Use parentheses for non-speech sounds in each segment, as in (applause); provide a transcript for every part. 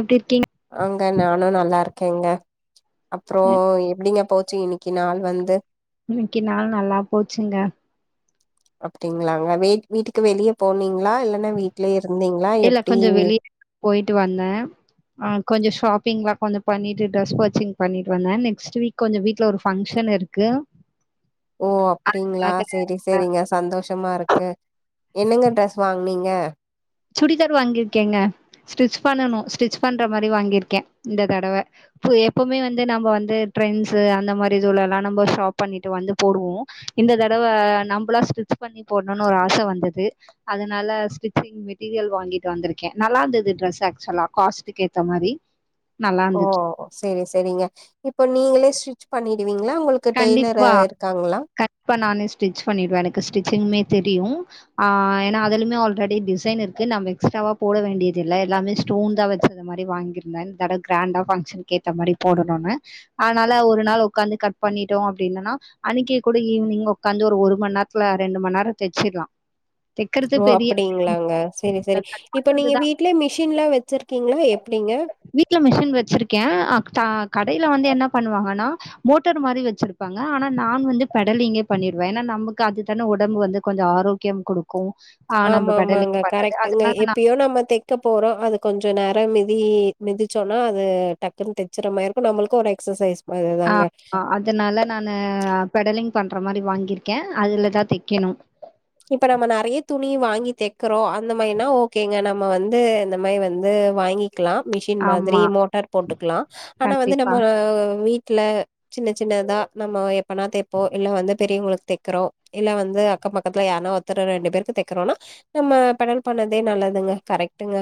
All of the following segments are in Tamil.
எப்டி இருக்கீங்க ஆங்க நானு நல்லாரு கேங்கா அப்றோ எப்டிங்க போ ச்சி இன்னிக்கு நாள் வந்து இனிக்கு நாள் நல்லா போச்சுங்க அப்டிங்ளாங்க வெயில் வீட்டுக்கு வெளிய போனீங்ளா இல்லனா வீட்லயே இர் ருந்தீங்ளா இல்ல கொஞ்சோ எப்டிங்கா வெளிய போயிட்டு வந்தே ஆ கொஞ்ச ஷாப்பிங்லா கொஞ்சம் பண்ணிட்டு ட்ரெஸ் பச்சிங் பண்ணிட்டு வந்தே நெக்ஸ்ட்வீக் கொஞ்ச வீட்ல ஒரு ஃபங்ஷன் இருக்கு ஓ அப்டிங்ளா சேரி அதுக்காக சேரிங்க சந்தோஷமா இருக்கு என்னங்க ட்ரெஸ் வாங்னிங் க சுடிதார் வாங்கிருக்கேங்க ஸ்டிச் பண்ணனும் ஸ்டிச் பண்ற மாரி வாங்கிருக்கே இந்த தடவ பு எப்வுமே வந்து நம்ம வந்து ட்ரெண்சு அந்த மாரி சூலலா நம்ம ஷாப் பண்ணிட்டு வந்து போடுவோம் இந்த தடவ நம்பளா ஸ்டிச் பண்ணி போடணுனு ஒரு ஆச வந்தது அதனால ஸ்டிச்சிங் மெட் டிரியல் வாங்கிட் வந்திருக்கே நல்லாருந்தது டிரெஸ் ஆக்சுவலா காஸ்ட்டுக்கு ஏத்த மாரி நல்லா ஓ இருந்துச்சு சேரி சேரிங்க இப்ப நீங்களே ஸ்டிச் பண்ணிடுவி ங்ளா உங்ளுக்கு டெய்லரு கண்டிப்பா இருக்காங்ளா கண்டிப்பா நானே ஸ்டிச் பண்ணிடுவே எனக்கு ஸ்டிச்சிங்மே தெரியு ஆ ஏனா அதலுமே ஆல்ரெடி டிசைன் இருக்கு நம்ம எக்ஸ்ட்ராவா போட வேண்டியதில்ல எல்லாமே ஸ்டோன்தா வச்ச மாரி வாங்கிருந்தே இந்ததடவ க்ராண்டா பங்ஷன்கேத்த மாரி போடணுனு அதனால ஒரு நாள் உக்காந்து கட் பண்ணிட்டோ அப்டின்னா அன்னைக்கே கூட ஈவ்னிங் உக்காந்து ஒரு ஒரு மண் நேரத்ல ரெண்டு மண் நேரம் தச்சிலாம் ஓ அப்டிங்ளாங்க சேரி இல்ல சேரி கட் இப்ப பண்றது நீங்க தான் வீட்ல மிஷின்லா வச்சிருக்கிங்ளா எப்டிங்க கடைல வந்து என்ன பண்ணுவாங்கனா மோட் ட்டர் மாரி வச்சிருப்பாங்க ஆனா நான் வந்து பெடலிங்கே பண்ணிடுவ ஏனா நமக்கு அது தான உடம்பு வந்து கொஞ்ச ஆரோக்கியம் குடுக்கும் ஆ நம்ம ஆமா பெடலிங் ஆமாங்க பண்றது. கரெக்ட்டுங்க அதனால நான் எப்பயோ நம்ம தெக்க போறோ அது கொஞ்சம் நேரம் மி மீ மிதிச்சோன்னா அது டக்குன்னு ச்சிரமாரி இருக்கு நம்முளுக்கு ஒரு எக்சசைஸ் மாரிதாங்க அ அதனால நானு பெடலிங் பண்ற மாரி வாங்கியிருக்க அதுலதா தெக்கணும் விக்கறோ அந்த மாரின்னா ஓகேங்க நா நம்ம வந்து இந்த மாரி வந்து வாங்கிக் குடுக்கலாம் மிஷின் மாதிரி ஆமா. மோட்டார் போட்டுக்கலா ஆனா வந்து கண்டிப்பா, நம்ம அ வீட்டு வீட்ல சின்ன சின்னதா நம்ம எப் எப்பனா தெப்போ இல்ல வந்து பெரியவங்களுக்கு தெக்கிறோம் இல்ல வந்து அக்கம் பக்க பக்கத்துல யாருனா ஒருத்தரு ரெண்டு பேருக்கு தெக்கறோனா நம்ம பெடல் பண்ணதே நல்லதுங்க கரெக்டுங்க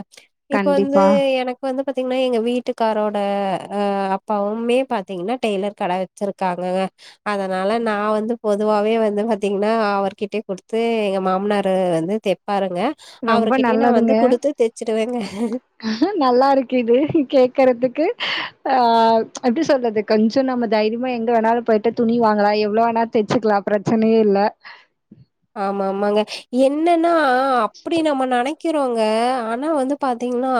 இப்ப வந்து கண்டிப்பா. எனக்கு வந்து இப்ப பாத்தீங்கன்னா எங்க வீட்டுக்காரோட அ அப்பாவுமே பாத்தீங்கன்னா டெய்லர் கடை வச்சிருக்காங்கல அதனால நான் வந்து பொதுவாவே வந்து பாத்தீங்கன்னா அவர்கிட்ட கொடுத்து எங்க மாமனார் வந்து தெப்பாருங்க அவர்கிட்டயே நான் வந்து கொடுத்து தெச்சுப் ஏங்க (unintelligible) ஆங் நல்லா இருக்குது இது கேக்குறதுக்கு ஆங் எப்படி சொல்றது கொஞ்சம் நம்ம தைரியமா எங்க வேணாலும் போயிட்டு துணி வாங்கலாம் எவ்வளோ வேணா தச்சுக்கலாம் பிரச்சனையே இல்ல ஆமா ஆமாங்க என்ன என்னென்னா அப்படி நம்ம நினைக்க இருக்கிறோங்க ஆனா வந்து பாத்தீங்கன்னா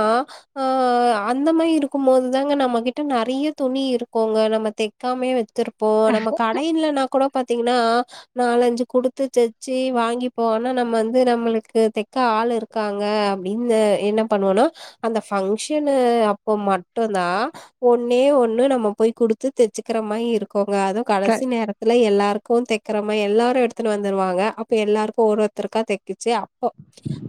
ஆங் அந்த மாதிரி இருக்கும் போது தாங்க நம்மகிட்ட நிறைய துணி இருக்கோங்க நம்ம தெக்காமே வச்சி இருப்போம் நம்ம கடை இல்லைனா கூட இப்ப பாத்தீங்கன்னா நாலஞ்சு கொடுத்து தெச்சி செரி வாங்கி போவோனா நம்ம வந்து நம்மளுக்கு தெக்க ஆள் இருக்காங்க அப்படின்னு என்ன பண்ணுவோனா அந்த பங்க்ஷன் அப்போ மட்டும்தான் ஒன்னே ஒண்ணு நம்ம போய் குடுத்து தச்சுக்கிற மாதிரி இருக்கும் போங்க அதுவும் க கடைசி நேரத்துல எல்லாருக்கும் எப்பவும் தைக்கற மாதிரி எல்லாரும் எடுத்துட்டு வந்துடுவாங்க அப்ப எல்லாருக்கும் ஒரு ஒருத்தருக்கா தைச்சிச்சு அப்போ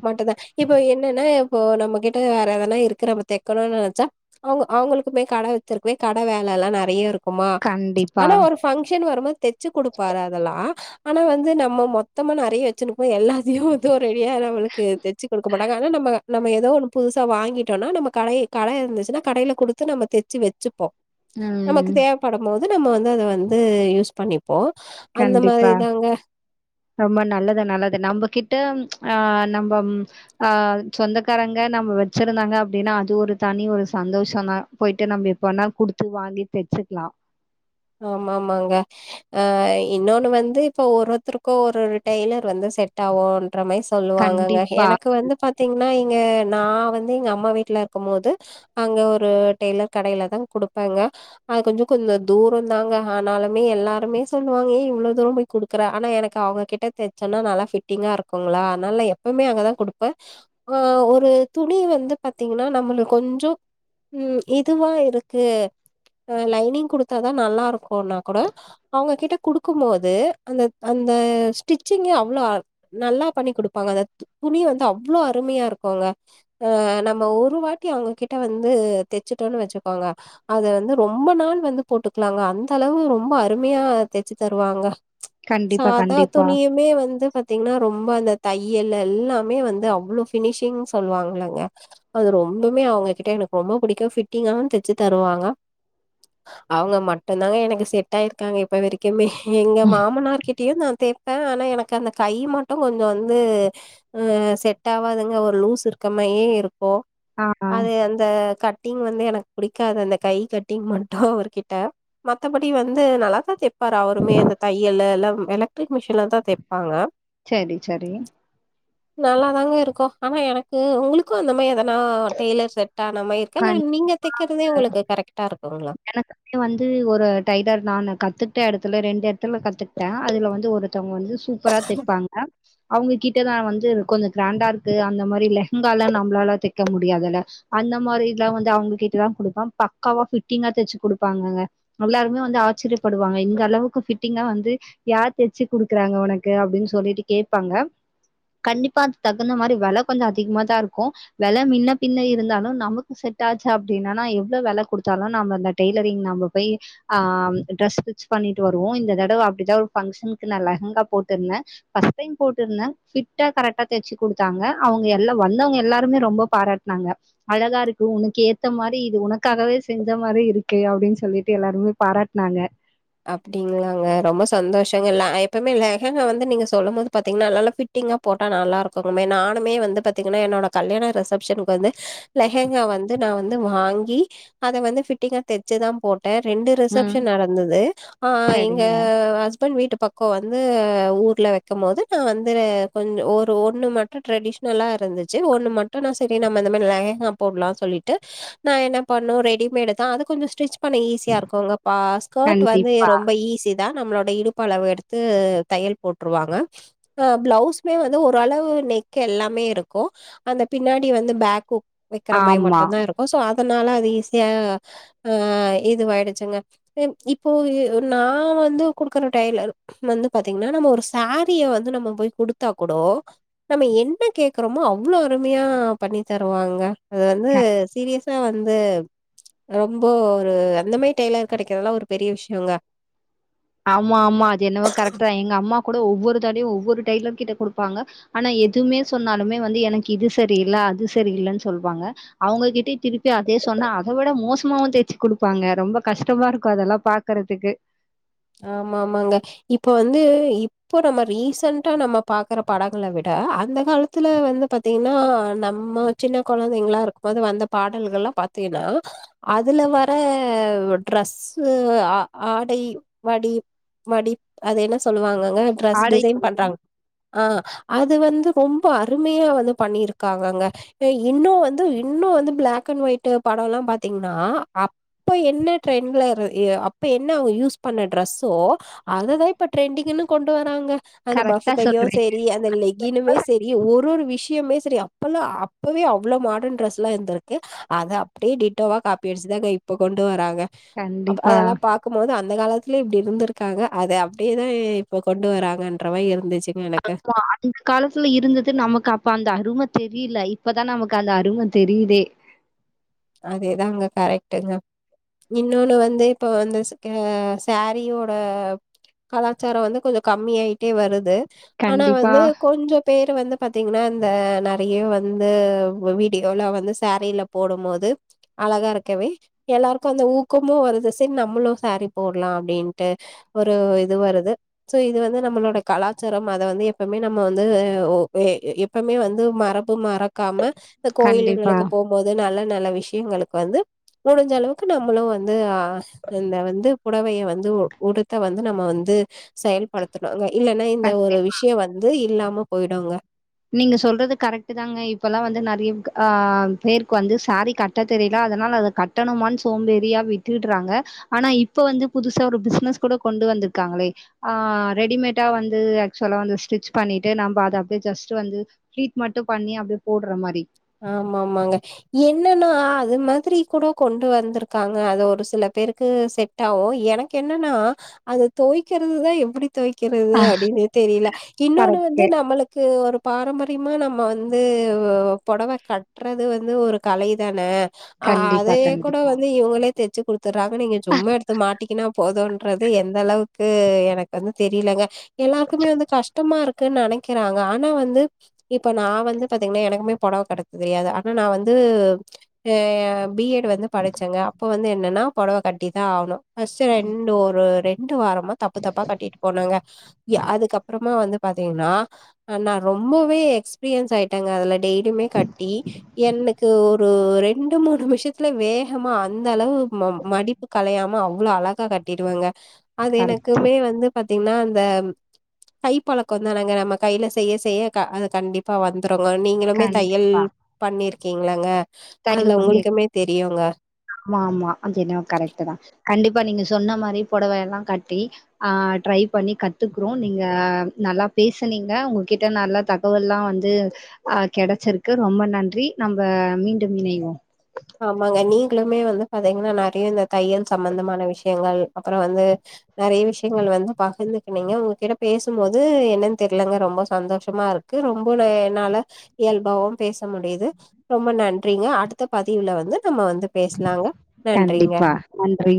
மட்டு்தான் இப்போ என்னென்னா இப்போ நம்ம கிட்ட வேற எதனா இருக்கு நம்ம தைக்கணும்னு நினைச்சா அவங்க அவங்களுக்குமே கடை வச்சிருக்குவேன் கடை வேலை எல்லாம் நிறைய இருக்குமா கண்டிப்பா ஆனா ஒரு பங்க்ஷன் வரும் போது தச்சு குடுப்பாரு அதெல்லாம் ஆனா வந்து நம்ம மொத் த்தமா நறைய வச்சுரு ப்போ எல்லாத்தையு தோ ரெடியா நம்மளுக்கு தெச்சு குடுக்க மாட்டாங்க ஆனா நம்ம நம்ம ஏதோ ஒண்ணு புதுசா வாங்கிட்டோன்னா நம்ம கடை கட இருந்துச்சுன்னா கடையில குடுத்து நம்ம தெச்சு வச்சுப்போ நமக்கு ம் தேவப்படம் மோ து நம்ம வந்து அத வந்து யூஸ் பண்ணிப் போ அந்த மாரி கண்டிப்பா தாங்க ரொம்ப நல்லது நல்லது நம்பகிட்ட ஆ நம்பம் ஆ சொந்தக்காரங்க நம்ம வச்சிருந்தாங்க அப்டின்னா அது ஒரு தனி ஒரு சந்தோஷந்தா போயிட்டு நம்ப எப்ப வேணா குடுத்து வாங்கி தெச்சுக்லா ஆமா ஆமாங்க ஆ இன்னொன்னு வந்து இப்ப ஒரு ஒருத்தருக்கு ஒரு டெய்லர் வந்து செட் ஆவு ன்ற மாரி சொல்லுவாங்கங்க கண்டிப்பா எனக்கு வந்து பாத்தீங்கனா இங்க நா வந்து எங்க அம்மா வீட்ல இருக்கம் மோது அங்க ஒரு டெய்லர் கடையில தா குடுப்பங்க அது கொஞ்சொ கொஞ்சொ தூரொந்தாங்க ஆனாலுமே எல்லாருமே சொல்லுவாங்க ஏ இவ்ளோ தூரம் போய் குடுக்குற ஆனா எனக்கு அவங்ககிட்ட தச்சேன்னா நல்லா ஃபிட்டிங்கா இருக்குங்ளா அதனால எப்பவ்மே அங்கதா குடுப்ப ஆ ஒரு துணி வந்து பாத்தீங்கனா நம்மளுக் கொஞ்சொ ம் இதுவா இருக்கு அ லைனிங் குடுத் தாதா நல்லா இருக்குன்னா கூட அவ்ங்ககிட்ட குடுக்கும் போது அந்த அந்த ஸ்டிச்சிங்கு அவ்ளோ அ நல்லா பண்ணி குடுப்பாங்க அந்த து துணி வந்து அவ்ளோ அருமையா இருக்குங்க ஆ நம்ம ஒரு வாட்டி அவ்ங்ககிட்ட வந்து தெச்சிட்டோனு வெச்சுக்கோங்க அது வந்து ரொம்ப நாள் வந்து போட்டுக்லாங்க அந்த அளவு ரொம்ப அருமையா தெச்சு தருவாங்க கண்டிப்பா சாதா கண்டிப்பா துணியுமே வந்து பாத்தீங்னா ரொம்ப அந்த தையல் எல்லாமே வந்து அவ்ளோ ஃபினிஷிங்ன் சொல்வாங்களங்க அது ரொம்பமே அவ்ங்கக்கிட்ட எனக்கு ரொம்ப புடிக்கு ஃபிட்டிங்காவு தெச்சு தருவாங்க அவ்ங்க மட்டுந்தாங்க எனக்கு செட் ஆயிருக்காங்க இப்ப வரைக்குமே எங்க மாமனார் கிட் கே நா தேப்ப ஆனா எனக்கு அந்த கை மட்டு கொஞ்சொ வந்து ஆ செட் ஆவாதுங்க ஒரு லூஸ் இருக்கமயே இருக் கு ஆ அது அந்த கட் டிங் வந்து எனக்கு புடிக்காது அந்த கை கட்டிங் மட்டு அவர் கிட் ட மத்தப்படி வந்து நல்லா தா தெப்பாரு அவருமே அந்த தையலு எல்லா எலக்ட்ரிக் மிஷின்ல தா தெப்பாங்க செரி சரி நல்லாதாங்க இருக்கு ஆனா எனக்கு உங்களுக்கு அந்த மாயி எதனா டெய்லர் செட் டான மாயி இருக்கா கண் இல்ல நீங்க தெக்கிறதே உங்களுக்கு கரெக்ட்டா இருக்குங்களா து ஒரு டைளர் நானு கத்துக்ட்ட எடத்துல ரெண்டு எட்த்துல கத்துக்ட்ட அதுல வந்து ஒரு த்தங்க வந்து சூப்பரா தெப்பாங்க அவ்ங்கக்கிட்ட நா வந்து கொஞ்சொ க்ராண்டா இருக்கு அந்த மாரி லெஹங்காலா நம்ளால தெக்க முடியாதுல்ல அந்த மாரிலா வந்து அவ்ங்ககிட்ட தா குடுப்ப பக்காவா ஃபிட்டிங்கா தெச்சு குடுப்பாங்கங்க எல்லாருமே வந்து ஆச்சிரியப்படுவாங்க இந்த அளவுக்கு ஃபிட்டிங்கா வந்து யார் தெச்சு குடுக்குறாங்க ஒனக்கு அப்டின் சொல்லிட்டு கேப்பாங்க கண்டிப்பா அதுக் தகுந்த மாரி வெல கொஞ்சொ அதிக்மாதா இருக்கு வெல மின்னப் பின்ன இருந்தாலு நமக்கு செட் ஆச்சா அப்டின்னானா எவ்ளோவ் வெல குடுத்தாலு நம்ம அந்த டெய்லரிங் நம்ம போய் ஆ ட்ரெஸ் ஸ்டிச் பண்ணிட்டு வருவோ இந்த தடவ அப்டிதா ஒரு ஃபங்க்ஷனுக்கு நா லெஹங்கா போட்டுர்ந்த ஃபஸ் டைம் போட்ருந்த ஃபிட்டா கரெக்ட்டா தெச்சு குடுத்தாங்க அவங்க எல்லா வந்தவங்க எல்லாருமே ரொம்ப பாராட்னாங்க அழகா இருக்கு உனக்கு ஏத்த மாரி இது உனக்காகவே செஞ்ச மாரி இருக்கு அப்டின் சொல்லிட்டு எல்லாருமே பாராட்னாங்க அப்டிங்ளாங்க ரொம்ப சந்தோஷங்க ல எப்பவ்மே லெஹங்கா வந்து நீங்க சொல்லும் போது பாத்தீங்கன்னா நல்லா பிட்டிங்கா போட்டா நல்லா இருக்குமே நானுமே வந்து பாத்தீங்கன்னா என்னோட கல்யாண ரிசப்ஷனுக்கு வந்து லெஹங்கா வந்து நா வந்து வாங்கி அத வந்து ஃபிட்டிங்கா தெச்சுதா போட் ட ரெண்டு ம் ரிசப்ஷன் நடந்துது ஆ அ இங்க சரிங்க அஹ் பண் வீட்டு பக்கொ வந்து ஊர்ல வைக்கம் போது நா வந்து கொஞ்ச ஒரு ஒன்னு மட்டு ட்ரெடிஷ்னலா இருந்துச்சு ஒன்னு மட்டு நா சரி நம்ம இந்த மாரி லெஹங்கா போட்லா சொல்லிட்டு நா என்ன பண்ணு ரெடிமேடு தா அது கொஞ்சொ ஸ்டிச் பண்ண ஈஸியா இருக்குல்ல பா ஸ்கர்ட் ட் வந்து கண்டிப்பா ரொம்ப ஈஸி தா நம்ளோட இடுப்பு அளவு எடுத்து தையல் போட்ருவாங்க அ பிளைவ்ஸ்மே வந்து ஒரளவு நேக் எல்லாமே இருக்கும் அந்த பின்னாடி வந்து பேக்ஹூக் வக்கிறமாரி ஆமா மட்டும்தா இருக்கு சோ அதனால அது ஈஸியா ஆ இது வாயிடுச்சுங்க இப்போ நா வந்து குடுக்குற டெய்லர் வந்து பாத்தீங்கன்னா நம்ம ஒரு ஸாரீ வந்து நம்ம போய் குடுத்தா கூட நம்ம என்ன கேட்குறோமோ அவ்ளோ அருமையா பண்ணி தருவாங்க அது வந்து கண் சீரியஸ் தா வந்து ரொம்ப ஒரு அந்த மாரி டெய்லர் கெடைக்கறதெல்லா ஒரு பெரிய விஷ்யங்க ஆமா ஆமா அது என்னவோ கரெக்ட் தா எங்க அம்மா கூட ஒவ்வொரு தடவயு ஒவ்வொரு ஒரு டெய்லர் கிட்ட குடுப்பாங்க ஆனா எதுமே சொன்னாலுமே வந்து எனக்கு இது சரி இல்ல அது சரி இல்லன்னு சொல்லுவாங்க அவங்க கிட்ட திருப்பி அதே சொன்னா அத விட மோசமாவும் தேச்சு குடுப்பாங்க ரொம்ப கஷ்டமா இருக்கும் அதெல்லா பாக்குறதுக்கு ஆமா ஆமாங்க இப்ப வந்து இப்ப நம்ம ரீசன்டா நம்ம பாக்குற பாடங்களை விட அந்த காலத்துல வந்து பாத்தீங்கன்னா நம்ம சின்ன குழந்தைகளா இருக்போது வந்த பாடல்கள் எல்லா பாத்தீங்கனா அதுல வர ட்ரெஸ்ஸு ஆடை வடி வடி அத என்ன சொல்லுவாங்க க ட்ரெஸ் ஆடை டிசைன் பண்றாங்க ஆ அது வந்து ரொம்ப அருமையா வந்து பண்ணிருக்காங்கங்க இன்னு வந்து இன்னு வந்து பிளாக் அண்ட் ஒயிட் படம்லா பாத்தீங்கனா அப்ப என்ன ட்ரெண்ட்ல அப்ப என்ன அவங்க யூஸ் பண்ண டிரெஸ்ஸோ அததா இப்ப ட்ரெண்டிங்ன்னு கொண்டு வராங்க அந்த பஃப் கரெக்ட்டா கையு சொல்றீங்க. சேரி அந்த லெக்கினுமே சேரி ஒரு ஒரு விஷ் அப்பையுமே சரி அப்பலாம் அப்பவே அவ்வளவு மாடர்ன் ட்ரெஸ்லாம் இருந்திருக்கு அதை அப்படியே டீட்டோவா காபி அடிச்சுதான் இப்ப கொண்டு வராங்க அப்ப கண்டிப்பா. அதெல்லாம் பாக்கும் போது அந்த ல (unintelligible) இல்ல இப்படி இருந்திருக்காங்க அதை அப்படியேதான் இப்ப கொண்டு வராங்கன்றவ மாதிரி இருந்துச்சு அ அந்த காலத்துல இருந்தது நமக்கு அப்ப அந்த அரும தெரியல இப்பதான் நமக்கு அது அருமை தெரியுதே அதேதாங்க கரெக்ட்டுங்க இன்னொன்னு வந்து இப்ப வந்த சாரீயோட கலாச்சாரம் வந்து கொஞ்சம் கம்மி ஆயிட்டே வருது ஆனா கண்டிப்பா, வந்து கொஞ்சம் பேரு வந்து பாத்த பாத்தீங்கன்னா இந்த நெறையா வந்து வீடியோல வந்து சேரீல போடும்போது அழகா இருக்கவே எல்லாருக்கும் அந்த ஊக்கமும் வருது சரி நம்மளும் சேரி போடலாம் அப்படின்ட்டு ஒரு இது வருது சோ இது வந்து நம்மளோட கலாச்சாரம் அதை வந்து எப்பவுமே நம்ம வந்து எப்பவுமே வந்து மரபு மற இருக்காம இந்த கண்டிப்பா. கோயிலுகளுக்கு போகும்போது நல்ல நலவி விஷயங்களுக்கு வந்து முடிஞ்ச அளவுக்கு நம்மளும் வந்து இந்த வந்து புடவைய வந்து உடுத்த வந்து நம்ம வந்து செயல்படுத்தனுவே இல்லனா இந்த கண் ஒரு விஷயம் வந்து இல்லாம போயிடுங்க நீங்க சொல்றது கரெக்ட் தாங்க இப்பல்லாம் வந்து நிறைய ஆஹ் பேருக்கு வந்து சாரீ கட்ட தெரியல அதனால அதை கட்டணுமானு சோம்பேறியா விட்டுறாங்க ஆனா இப்ப வந்து புதுசா ஒரு பிசினஸ் கூட கொண்டு வந்திருக்காங்களே ஆஹ் ரெடிமேடா வந்து ஆக்சுவலா வந்து ஸ்டிச் பண்ணிட்டு நம்ம அதை அப்படியே ஜஸ் வந்து டிரீட மட்டும் பண்ணி அப்படியே போடுற மாதிரி ஆமாமாங்க என்னென்னா அது மாதிரி கூட கொண்டு வந்திருக்காங்க அது ஒரு சில பேருக்கு செட் ஆகும் எனக்கு என்னென்னா அதை துவைக்கிறது தான் எப்படி துவைக்கிறது அப்படின்னு தெரியல இன்னொன்னு கரெக்ட் வந்து நம்மளுக்கு ஒரு பாரம்பரியமா நம்ம வந்து புடவை கட்டுறது வந்து ஒரு கலை தானே கண்டிப்பா அதையே கூட கண்டிப்பா வந்து இவங்களே தெச்சு குடுத்தறாங்க நீங்க சும்மா எடுத்து மாட்டிகன்னா போதும் என்றது எந்த அளவுக்கு எனக்கு வந்து தெரியலங்க எல்லாருக்குமே வந்து கஷ்டமா இருக்கு எனக்கு நினைக்கிறாங்க ஆனா வந்து இப்ப நான் வந்து பாத்தீங்கன்னா எனக்குமே புடவை கட்ட தெரியாது ஆனா நான் வந்து பிஎட் வந்து படிச்சேங்க அப்ப வந்து என்ன ஏனா புடவை கட்டி தான் ஆகணும் அ ரெண்டு மோத வாரமா தப்பு தப்பா கட்டிட்டு போனாங்க அதுக்க அப்புறமா வந்து பாத்தீங்கன்னா நான் ரொம்பவே எக்ஸ்பீரியன்ஸ் ஆயிட்டேங்க அல்ரெடி சேலை கட்டி எனக்கு ஒரு ஒரு ரெண்டு மூணு நிமிஷத்துல வேகமா அந்த அளவு ம மடிப்பு கலையாம அவ அவ்வளவு அழகா கட்டிடுவேங்க அது கரெக்ட் எனக்குமே வந்து பாத்தீங்கன்னா கைப்பழக்கம் தானுங்க நம்ம கையில செய்ய செய்ய அது கண்டிப்பா வந்து வந்துருங்க நீங்களுமே தைய்யல் கண்டிப்பா பண்ணீர் ருக்கீங்களாங்க (unintelligible) ஆமா ஆமா அது எனோ கரெக்ட் தா கண்டிப்பா நீங்க சொன்ன மாரி புடவை எல்லா கட்டி ஆ ட்ரை பண்ணி கத்துக்குறோ நீங்க நல்லா பேசுனீங்க உங்கக்கிட்ட நல்ல தகவல்லா வந்து அ கெடச்சிருக்கு ரொம்ப நன்றி நம்ப மீ (unintelligible) ஆமாங்க நீங்குளுமே வந்து பாத்தேங்கன்னா நெறைய இந்த தையல் சம்பந்தமான விஷயங்கள் அப்புறோ வந்து நெறைய விஷயங்கள் வந்து பகிர்ந்துக்கினீங்க உங்ககிட்ட பேசுபோது என்னன்னு தெரியிலங்க ரொம்ப சந்தோஷமா இருக்கு ரொம்பல என்னால இயல்பாவு பேச முடியுது ரொம்ப நன்றிங்க அடுத்த பதிவுல வந்து நம்ம வந்து பேசலாங்க நன்றிங்க கண்டிப்பா நன்றி